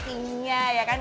perniknya ya dekorasinya